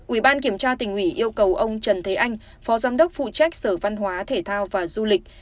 ủy ban kiểm tra tỉnh ủy yêu cầu ông trần thế anh phó giám đốc phụ trách sở văn hóa thể thao và du lịch